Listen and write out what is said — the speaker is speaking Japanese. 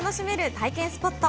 体験スポット。